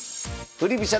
振り飛車